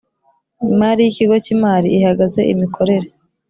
imari y ikigo cy imari ihagaze imikorere